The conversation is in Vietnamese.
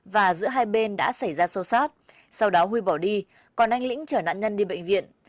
và giữa hai bên đã xảy ra xô xát sau đó huy bỏ đi còn anh lĩnh chở nạn nhân đi bệnh viện